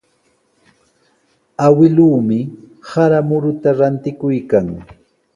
Awkilluumi sara mututa rantikuykan.